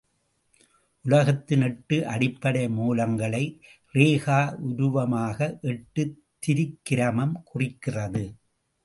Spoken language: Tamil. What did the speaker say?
உலகத்தின் எட்டு அடிப்படை மூலங்களை, ரேகா உருவமாக எட்டு திரிக்கிரமம் குறிக்கிறது.